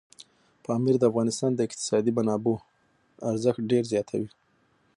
پامیر د افغانستان د اقتصادي منابعو ارزښت ډېر زیاتوي.